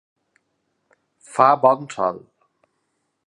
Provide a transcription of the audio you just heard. Fa bon sol.